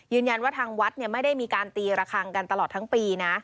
ยืนยันว่าทางวัดไม่ได้มีการตีระคังกันตลอดทั้งปีนะ